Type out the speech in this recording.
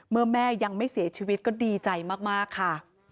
แม่ยังไม่เสียชีวิตก็ดีใจมากค่ะ